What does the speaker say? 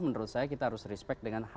menurut saya kita harus respect dengan harga